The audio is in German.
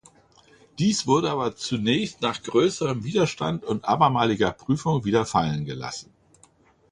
Dies wurde aber zunächst nach größerem Widerstand und abermaliger Prüfung wieder fallen gelassen.